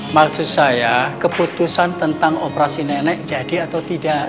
maksud saya keputusan tentang operasi nenek jadi atau tidak